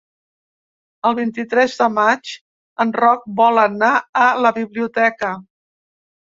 El vint-i-tres de maig en Roc vol anar a la biblioteca.